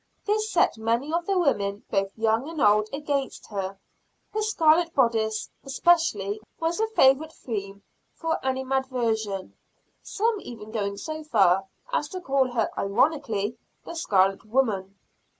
This set many of the women, both young and old, against her. Her scarlet bodice, especially, was a favorite theme for animadversion; some even going so far as to call her ironically "the scarlet woman."